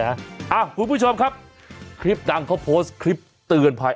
คุณผู้ชมครับคลิปดังเขาโพสต์คลิปเตือนภัย